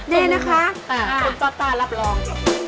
ดีนะคะคุณจ๊อตต้ารับรอง